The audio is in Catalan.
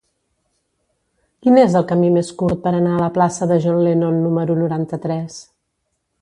Quin és el camí més curt per anar a la plaça de John Lennon número noranta-tres?